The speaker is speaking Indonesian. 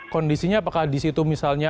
kondisinya apakah di situ misalnya